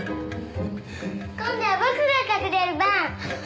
今度は僕が隠れる番！